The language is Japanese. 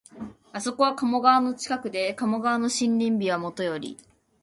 あそこは鴨川の近くで、下鴨の森林美はもとより、